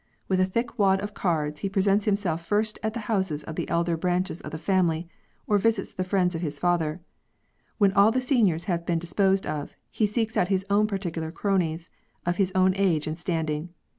With a thick wad of cards, he presents himself first at the houses of the elder branches of the family, or visits the friends of his father; when all the seniors have been disposed of, he seeks out his own particular cronies, of his own age and standing.